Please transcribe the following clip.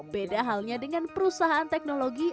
beda halnya dengan perusahaan teknologi